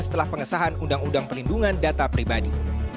setelah pengesahan undang undang perlindungan data pribadi